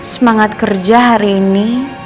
semangat kerja hari ini